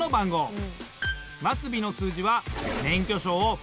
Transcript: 末尾の数字は。